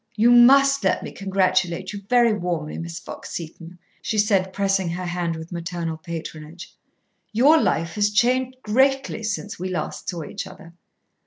"You must let me congratulate you very warmly, Miss Fox Seton," she said, pressing her hand with maternal patronage. "Your life has changed greatly since we last saw each other."